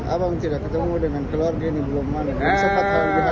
abang tidak ketemu dengan keluarga ini belum ada